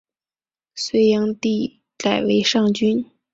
隋炀帝改为上郡。